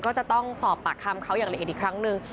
ก็จะต้องสอบปากคำเขาอย่างละเอียดอีกครั้งหนึ่ง